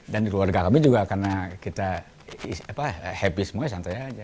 dan keluarga kami juga karena kita happy semuanya santai aja